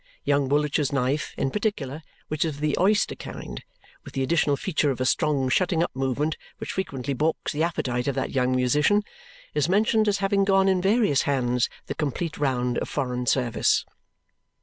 Young Woolwich's knife, in particular, which is of the oyster kind, with the additional feature of a strong shutting up movement which frequently balks the appetite of that young musician, is mentioned as having gone in various hands the complete round of foreign service.